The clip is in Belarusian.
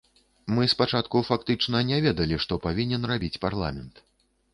Мы спачатку фактычна не ведалі, што павінен рабіць парламент.